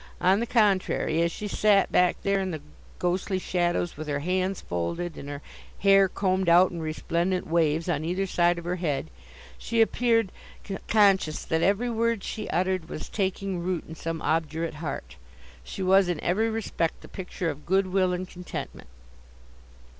On the contrary, as she sat back there in the ghostly shadows, with her hands folded, and her hair combed out in resplendent waves on either side of her head, she appeared conscious that every word she uttered was taking root in some obdurate heart. She was, in every respect, the picture of good will and contentment.